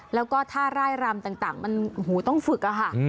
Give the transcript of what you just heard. แล้วก็ถ้าร่ายรำต่างมันต้องฝึกอะค่ะ